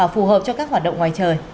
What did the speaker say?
phù hợp cho các hoạt động ngoài trời